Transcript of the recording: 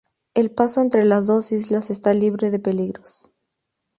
El paso entre las dos islas está libre de peligros.